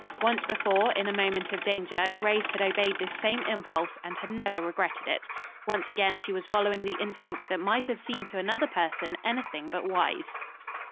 Once before, in a moment of danger, Grace had obeyed this same impulse and had never regretted it. Once again she was following the instinct that might have seemed to another person anything but wise.